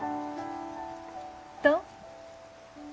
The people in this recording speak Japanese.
どう？